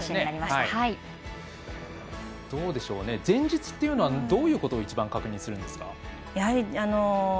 前日っていうのはどういうことを一番確認するんですか？